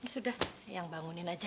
sudah yang bangunin aja